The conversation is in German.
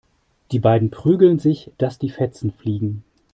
Die beiden prügeln sich, dass die Fetzen fliegen.